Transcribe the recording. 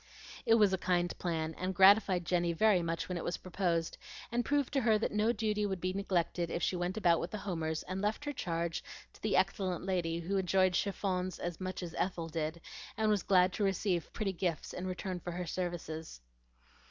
It was a kind plan, and gratified Jenny very much when it was proposed and proved to her that no duty would be neglected if she went about with the Homers and left her charge to the excellent lady who enjoyed chiffons as much as Ethel did, and was glad to receive pretty gifts in return for her services.